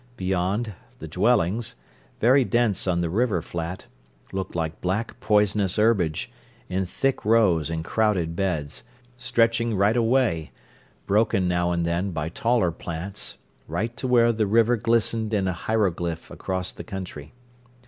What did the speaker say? Beyond, the dwellings, very dense on the river flat, looked like black, poisonous herbage, in thick rows and crowded beds, stretching right away, broken now and then by taller plants, right to where the river glistened in a hieroglyph across the country.